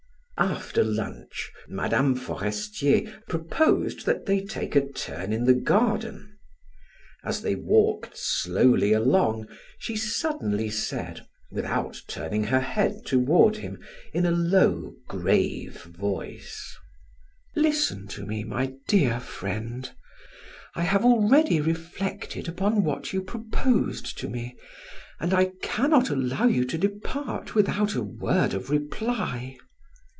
After lunch, Mme. Forestier proposed that they take a turn in the garden; as they walked slowly along, she suddenly said, without turning her head toward him, in a low, grave voice: "Listen to me, my dear friend; I have already reflected upon what you proposed to me, and I cannot allow you to depart without a word of reply.